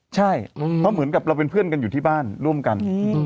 ใช่เพราะเหมือนกับเราเป็นเพื่อนกันอยู่ที่บ้านร่วมกัน